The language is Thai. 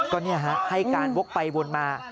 ก็เนี่ยฮะให้การวกไปวนมา